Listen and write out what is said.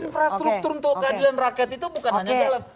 infrastruktur untuk adilan rakyat itu bukan hanya jalan